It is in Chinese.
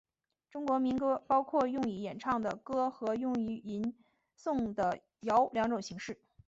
中国民歌包括用以演唱的歌和用于吟诵的谣两种形式。